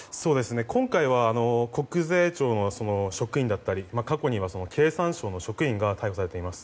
今回は国税庁の職員だったり過去に経産省の職員が逮捕されています。